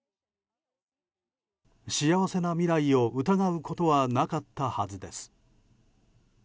幸せな未来を疑うことはなかったはずです。